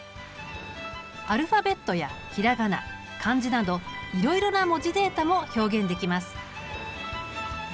アルファベットや平仮名漢字などいろいろな文字データも表現できます。